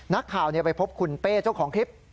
นักข่าวไปพบคุณเป้เจ้าของคลิป